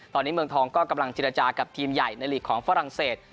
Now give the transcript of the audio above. ตอนนี้เมืองทองก็กำลังเจรจากับทีมใหญ่ในลีกของฝรั่งเศส